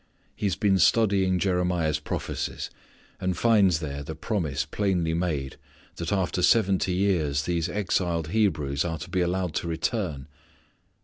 He has been studying Jeremiah's prophecies, and finds there the promise plainly made that after seventy years these exiled Hebrews are to be allowed to return.